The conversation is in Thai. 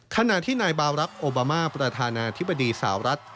ขณะที่นายบารักษ์โอบามาประธานาธิบดีสาวรัฐ